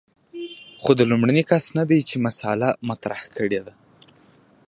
خو دی لومړنی کس نه دی چې مسأله مطرح کړې ده.